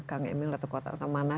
kang emil atau kota mana